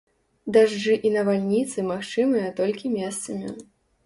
Дажджы і навальніцы магчымыя толькі месцамі.